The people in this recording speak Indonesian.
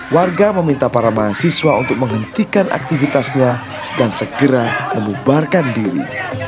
warga meminta para mahasiswa untuk menghentikan aktivitasnya dan segera membubarkan diri